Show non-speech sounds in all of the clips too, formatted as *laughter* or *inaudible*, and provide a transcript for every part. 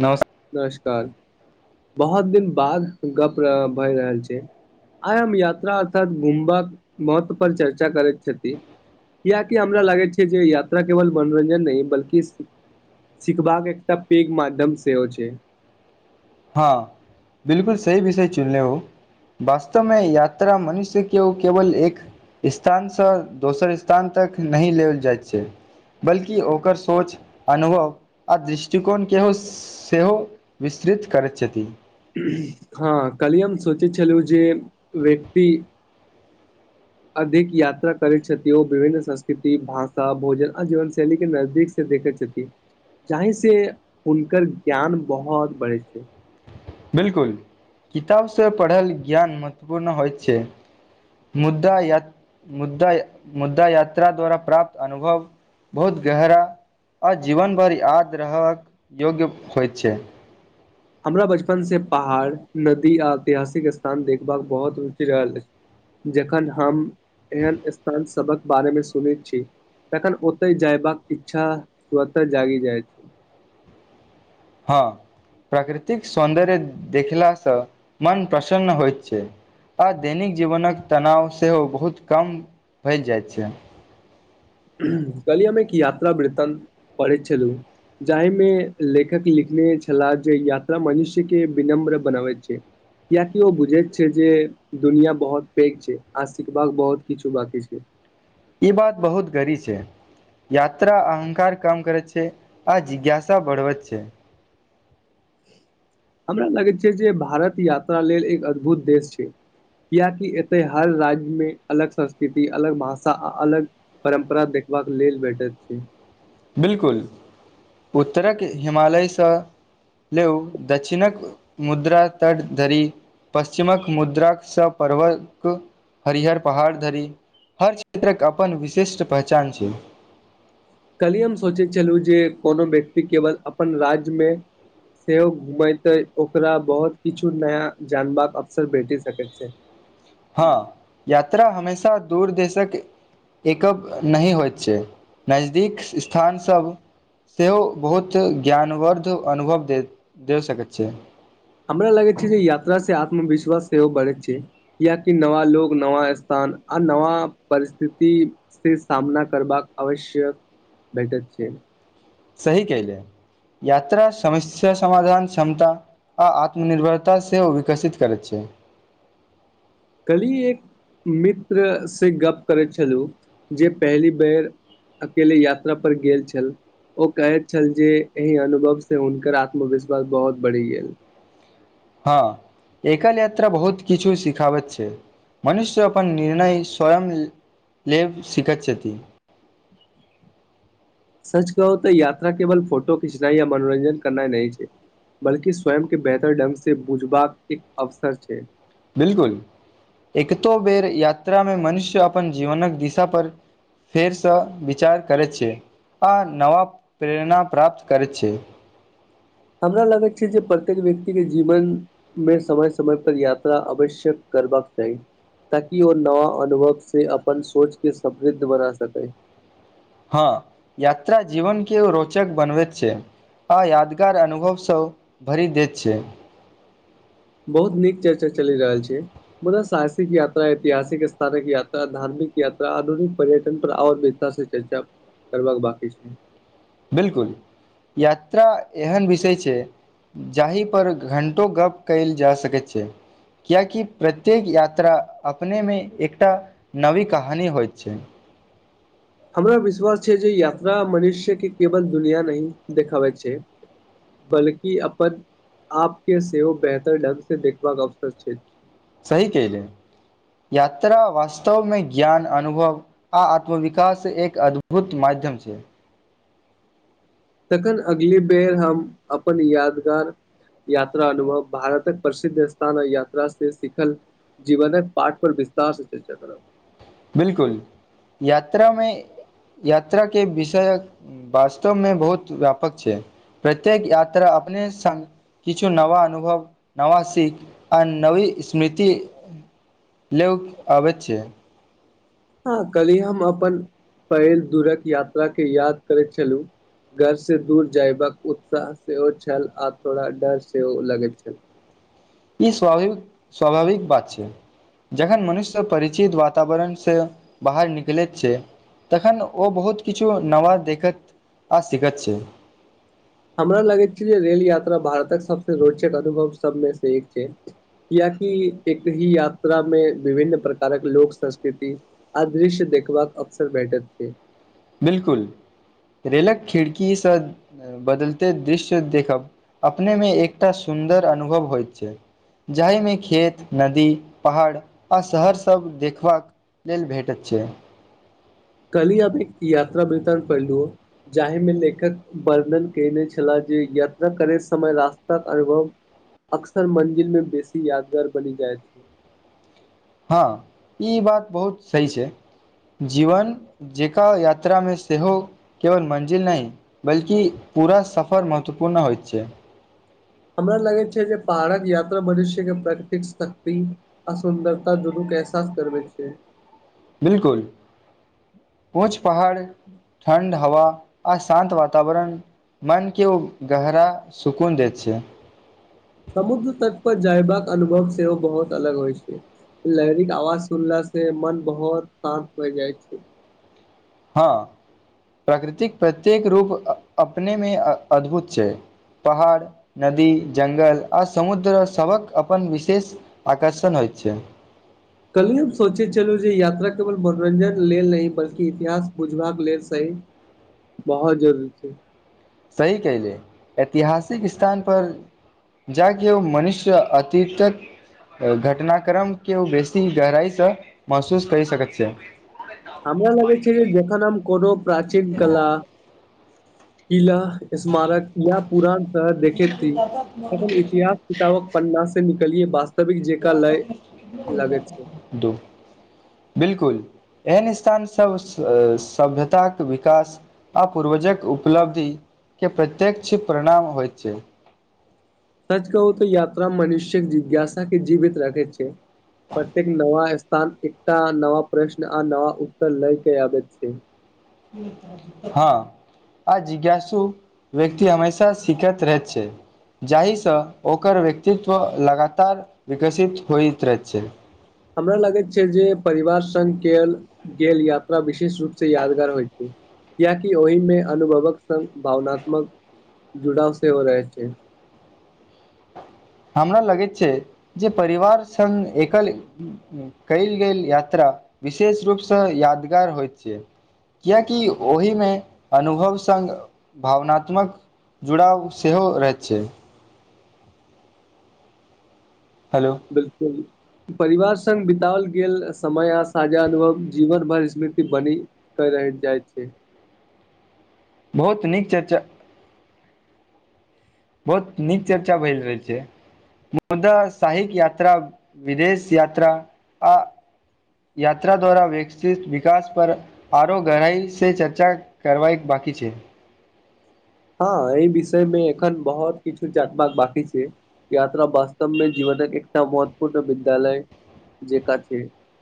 नमस् नमस्कार बहुत दिन बाद गप भए रहल छै आइ हम यात्रा अर्थात घुमबाक महत्व पर चर्चा करैत छथि कियेकि हमरा लागैत छै जे यात्रा केवल मनोरञ्जन नहि बल्कि स्थिति सिखबाक एकटा पैघ माध्यम सेहो छै हँ बिलकुल सही विषय चुनले हो वास्तवमे यात्रा मनुष्य के ओ केवल एक स्थानसँ दोसर स्थान तक नहि लेल जाइत छै बल्कि ओकर सोच अनुभव आ दृष्टिकोण केहो सेहो विस्तृत करैत छथि हँ कलही हम सोचैत छलु जे व्यक्ति अधिक यात्रा करैत छथि ओ विभिन्न संस्कृति भाषा भोजन आ जीवन शैली के नजदीक से देखैत छथि जाहि से हुनकर ज्ञान बहुत बढ़ै छै बिल्कुल किताब से पढ़ल ज्ञान महत्वपूर्ण होयत छै मुद्दा यत मुद्दा मुद्दा यात्रा द्वारा प्राप्त अनुभव बहुत गहरा आ जीवन भर याद रहक योग्य होइत छै हमरा बचपन से पहाड़ नदी आ ऐतिहासिक स्थान देखबाक बहुत रुचि रहल अछि। जखन हम एहन स्थान सभक बारेमे सुनैत छी तखन ओतै जयबाक इच्छा स्वतः जागी जाइत छै हँ प्रकृतिक सौन्दर्य देखलासँ मन प्रसन्न होइत छै। आ दैनिक जीवनक तनाव सेहो बहुत कम भेल जाइत छै। कलही हम एक यात्रा वृतंन पढ़ैत छलू जाहि मे लेखक लिखने छलाह जे यात्रा मनुष्य के विनम्र बनाबैत छै। कियाकि ओ बुझैत छै जे। दुनियाँ बहुत पैघ छै आज सिखबाक बहुत किछु बाँकी छै। ई बात बहुत गड़ी छै। यात्रा अहंकार कम करैत छै आ जिज्ञासा बढ़बैत छै। हमरा लगैत छै जे भारत यात्रा लेल एक अद्भुत देश छै किएकि एतय हर राज्यमे अलग संस्कृति अलग भाषा आ अलग परम्परा देखबाक लेल भेटैत छै बिल्कुल उत्तरक हिमालयसँ लेउ दक्षिणक मुद्रा तट धरि पश्चिमक मुद्राक सँ पर्वक। हरिहर पहाड़ धरि हर क्षेत्रक अपन विशिष्ट पहचान छै। कलही हम सोचैत छलु जे कोनो व्यक्ति केवल अपन राज्य मे। सेहो घूमै त ओकरा बहुत किछु नया जानबाक अवसर भेटि सकैत छै। *inaudible* हँ यात्रा हमेशा दूर देशक। एकप नहि होइत छै नजदीक स्थान सभ। सेहो बहुत ज्ञानवर्द्ध अनुभव देत देव सकैत छै। हमरा लागै छै जे यात्रा से आत्मविश्वास सेहो बढ़ै छै। क्याकि नवा लोग नवा स्थान आ नवा परिस्थिति। से सामना करबाक आवश्यक भेटैत छै। सही कहलियै यात्रा समस्या समाधान क्षमता। आ आत्मनिर्भरता सेहो विकसित करैत छै। कल्हि एक मित्र से गप करैत छलहु जे पहली बेर। अकेले यात्रा पर गेल छल। ओ कहैत छल जे एहि अनुभवसँ हुनकर आत्मविश्वास बहुत बैढ़ गेल। हँ एकल यात्रा बहुत किछु सिखाबैत छै। मनुष्य अपन निर्णय स्वय लेब सिखैत छथि सच कहु तो यात्रा केवल फोटो खिचनाइ या मनोरंजन करनाइ नहि छै। बल्कि स्वयं केँ बेहतर ढंग से बुझबाक एक अवसर छै। बिलकुल एकतो बेर यात्रा मे मनुष्य अपन जीवनक दिशा पर। फेरसँ विचार करैत छै आ नवा प्रेरणा प्राप्त करैत छै। हमरा लगैत छै जे प्रत्येक व्यक्ति केँ जीवन। मे समय - समय पर यात्रा आवश्यक करबाक चाही। ताकि ओ नवा अनुभव से अपन सोच केँ समृद्ध बना सकै। हँ यात्रा जीवन केँ ओ रोचक बनबैत छै। आ यादगार अनुभव सभ भरि दैत छै। बहुत नीक चर्चा चलि रहल छै। मुदा साहसिक यात्रा ऐतिहासिक स्थानक याता धार्मिक यात्रा आधुनिक पर्यटन पर आओर विस्तार सँ चर्चा करबाक बाकी छै। बिलकुल यात्रा एहेन विषय छै। जाहिपर घण्टो गप्प कइल जा सकैत छै। कियाकि प्रत्येक यात्रा अपने मे एकटा नवी कहानी होइत छै। हमरा विश्वास छै जे यात्रा मनुष्य केँ केवल दुनिया नही देखाबै छै। बल्कि अपन आप केँ सेहो बेहतर ढंग से देखबाक अवसर छै। सही केहले यात्रा वास्तवमे ज्ञान अनुभव। आ आत्मविकास एक अद्भुत मध्यम छै। तखन अगली बेर हम अपन यादगार। यात्रा अनुभव भारतक प्रसिद्ध स्थान यात्रा से सिखल। जीवनक पाठ पर विस्तार सँ चर्चा करब बिलकुल यात्रा मे यात्रा केँ विषयक वास्तव मे बहुत व्यापक छै प्रत्येक यात्रा अपने संग किछु नवा अनुभव नवा सीख आ नवी स्मृति। लेयोक आबैत छै। हँ कल्हि हम अपन पहिल दूरक यात्रा केँ याद करैत छलुह घर से दूर जयबाक उत्साह सेहो छल आ थोड़ा डर सेहो लगैत छल। इ स्वाभाविक- स्वाभाविक बात छै जखन मनुष्य परिचित वातावरण से बाहर निकलैत छै तखन ओ बहुत किछु नवा देखैत आ सिखैत छै हमरा लगैत छै जे रेल यात्रा भारतक सबसे रोचक अनुभव सबमे से एक छै क्याकि एक ही यात्रा मे विभिन्न प्रकारक लोक संस्कृति आ दृश्य देखबाक अवशर भेटैत छैय बिल्कुल रेलक खिड़की सँ बदैलते दृश्य देखब अपने मे एकटा सुन्दर अनुभव होइत छै जाहिमे खेत, नदी, पहाड़ आ शहर सब देखबाक लेल भेटत छै कली आ एक यात्रा वतण पहिलू जाहि मे लेखक वर्णन केने छलाह जे यात्रा करेैत समय रास्ताक अनुभव अक्सर मंजिल में बेसी यादगार बनि जाइत ह इ बात बहुत सही छै जीवन जेका यात्रा मे सेहो केवल मञ्जिल नैय बल्कि पूरा सफर महत्वपूर्ण होइत छै हमरा लगै छै जे पहाड़क यात्रा मनुष्य के प्रकृतिक शक्ति आ सुन्दरता दुनू के एहसास करबेैत छैय बिल्कुल किछु पहाड़ ठण्ड हवा आ शांन्त वातावरण मनके ओ गहरा सुकून दैत छै समुद्र तट पर जयबाक अनुभव सेहो बहुत अलग होइय छैय लेहरी क आवाज सुनला से मन बहुत शान्त होय जायत छैय ह प्रकृतिक प्रत्येक रूप अपने मे अद्भुत छैय पहाड़, नदी, जंगल आ समुद्र सबक अपन विशेष आकर्षण होय छैय कैल हम सोचै छेलू जे यात्रा केवल मनोरंजन लेल नै बल्कि इतिहास बुझबाक लेल सही बहोत जरूरी छै सही कहेलिये ऐतिहासिक स्थानपर जागियो मनुष्य अतीतक घटनाक्रम केहु बेसी गहराइ स महशुस करि सकैत छै हमरा लागै छै जे जेखन हम कोनो प्राचीन कला किला स्मारक या पुरान तरह देखेती तखन इतिहास किताबक पन्ना से निकलिये वास्तविक लेल लागै छैय दू बिल्कुल एहन स्थान सब सभ्यताक विकास आ पूर्वजक उपलब्धि के प्रत्यक्ष परिणाम होयत अछि सच कहू तऽ यात्रा मनुष्यक जिज्ञासा के जीवित राखै छैय प्रतेक नयास्थान एकटा नयाप्रश्न आ नया उत्तर लय क आबै छै ह आ जिज्ञासु व्यक्ति हमेशा सिखैत रहैत छैय जाहि स ओकर व्यक्तित्व लगातार विकसित होइतै रहै छय हमरा लगैत छै जे परिवार संग के ल गेल यात्रा विशेष रूप से यादगार होइत छैय कियाकि ओय में अनुभवक संग भावनात्मक जुड़ाव से हो रहे छैय हमरा लगैत छै जे परिवार संग एकल कयल गेल यात्रा विशेष रूपसँ यादगार होइत छै कियेकि ओहिमे अनुभव सङ्ग भावनात्मक जुड़ाव सेहो रहैत अछि हेलो बिल्कुल परिवार संग बितओल गेल समय आ साझा अनुभव जीवन भर स्मृति बनी करैत जाय छै बहुत नीक चर्चा बहुत नीक चर्चा भ‌इल होइ छै मुदा साहिक यात्रा विदेश यात्रा आ यात्रा द्वारा विकसित विकास पर आरो गहराई से चर्चा करबाइक बाकी छै हँ एहि विषय मे एखन बहुत किछु चाट बाक बाकी छै यात्रा वास्तव मे जीवनक एकटा महत्वपूर्ण विद्यालय जेका छै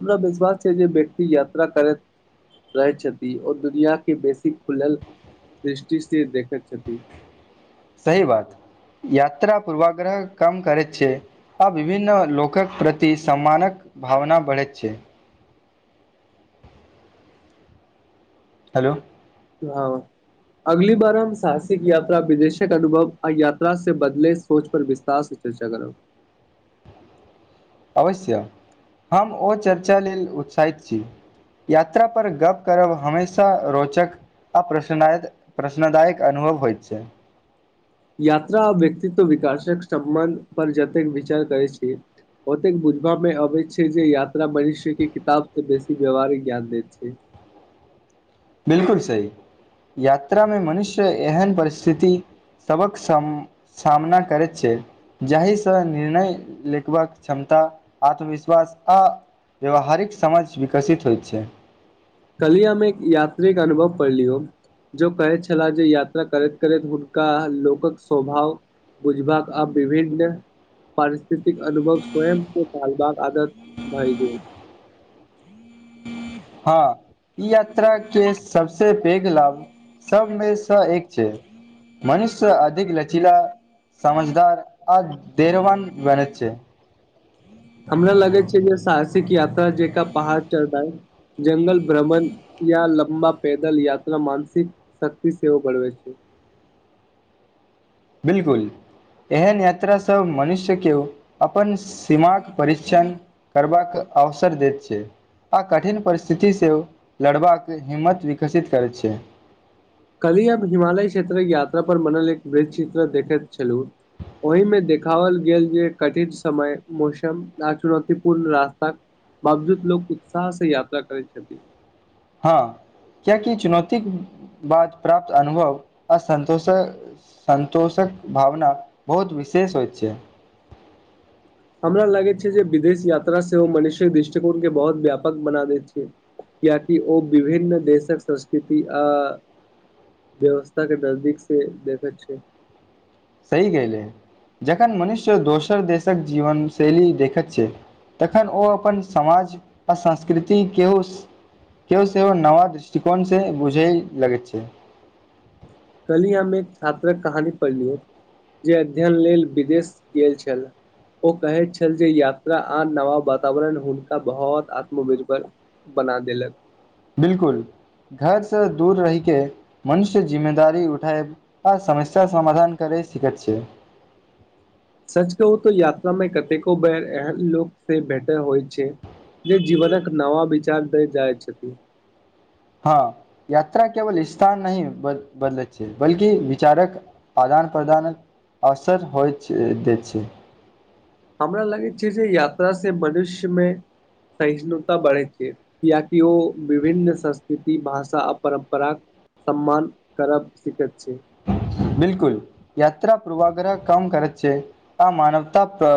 हमरा विश्वास छै जे व्यक्ति यात्रा करैत रहै छथि ओ दुनिया के बेसी खुलल दृष्टिसँ देखैत छथि सही बात यात्रा पूर्वाग्रह कम करैत छियै आ विभिन्न लोकक प्रति सम्मानक भावना बढ़ैत छै हलो हं अगली बार हम साहसिक यात्रा विदेशक अनुभव आ यात्रा से बदले सोच पर विस्तार से चर्चा करब अवश्य हम ओ चर्चा लेल उत्साहित छी यात्रा पर गप करब हमेशा रोचक आ प्रशनायद प्रश्नदायक अनुभव होइत छै यात्रा आ व्यक्तित्व विकासक समबन्ध पर जतेक विचार करै छि ओतेक बुझबा मे अबै छै जे यात्रा मनुष्य के किताब से बेसी व्यवहारिक ज्ञान देैत छै बिल्कुल सही यात्रामे मनुष्य एहन परिस्थिति सबक सम सामना करैत छै जाहिसँ निर्णय लिखबाक क्षमता आत्मविश्वास आ व्यावहारिक समझ विकसित होइत छै कलिय हम एक यात्रिके अनुभव पढलियोन जो कहै छलाह जे यात्रा करैत करैत हुनका लोकक स्वभाव बुझबाक आब विभिन्न पारिस्थितिक अनुभव स्वयं के टालबाक आदत भई गेल हँ ई यात्रा के सबसे पेघ लाभ सभमेसँ एक छै मनुष्य अधिक लचीला समझदार आ देरवान बनैत छै हमरा लगे छै जे साहसिक यात्रा जेका पहाड़ चढ़नाई जंगल भ्रमण या लम्बा पैदल यात्रा मानसिक शक्ति सेहो बढ़बैत छै बिल्कुल एहन यात्रा स मनुष्य के अपन सीमाक परीक्षण करबाक अवसर देत छै आ कठिन परिस्थितिसँ लड़बाक हिम्मत विकसित करैत छै कैल्हि हम हिमालय क्षेत्रक यात्रा पर बनल एक वृतचित्र देखैत छलहुँ ओहिमे देखाओल गेल जे कठिन समय मौसम आ चुनौतीपूर्ण रास्ता बाबजूद लोक उत्साह से यात्रा करैत छथि हँ कियाकि चुनौतीक बाद प्राप्त अनुभव असन्तोषऽ सन्तोषक भावना बहुत विशेष होइत छै हमरा लगैत छै जे विदेश यात्रा सेहो मनुष्यक दृष्टिकोण के बहुत व्यापक बना दैत छै कियाकि ओ विभिन्न देशक संस्कृति आ। व्यवस्था के नजदीक से देखैत छै। सही गेले जखन मनुष्य दोसर देशक जीवन शैली देखत छै। तखन ओ अपन समाज आ संस्कृति केउस केओ सेहो नवा दृष्टिकोण से बुझैए लगै छै कल्हि हम एक छात्रक कहानी पढ़लियो जे अध्ययन लेल विदेश गेल छल ओ कहैत छल जे यात्रा आ नवा वातावरण हुनका बहुत आत्मनिर्भर बना देलक। बिल्कुल घरसँ दूर रहिके मनुष्य जिम्मेदारी उठएब। आ समस्या समाधान करै सकैत छै। सच कहू तोऽ यात्रा मे कतेको बैर एहन लोक से भेटय होइ छै। जे जीवन नवा विचार दै जाइ छथि। हँ यात्रा केवल इस्थान नहि बद बदलैत छै बल्कि विचारक। आदान प्रदानक अवसर होइत छैय देयत छैय। हमरा लागै छै जे यात्रा से मनुष्य मे सहिष्णुता बढ़ैत छै। कियाकि ओ विभिन्न संस्कृति भाषा आ परम्पराक। सम्मान करब सिखैत छै। बिल्कुल यात्रा पूर्वग्रह काम करत छै आ मानवता प